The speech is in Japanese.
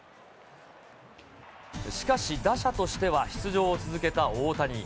しかし打者としては出場を続けた大谷。